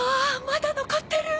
まだ残ってる！